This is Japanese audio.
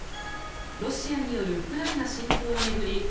ロシアによるウクライナ侵攻を巡り